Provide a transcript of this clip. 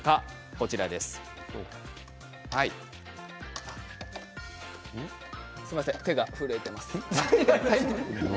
すいません手が震えています。